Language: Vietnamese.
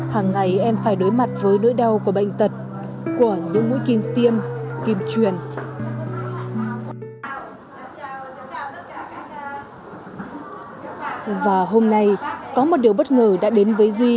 hàng ngày em phải đối mặt với nỗi đau của bệnh tật của những mũi kim tiêm kim truyền